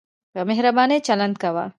په مهربانۍ چلند کاوه.